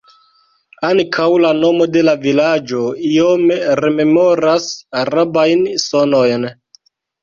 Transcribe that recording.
Ankaŭ la nomo de la vilaĝo iome rememoras arabajn sonojn.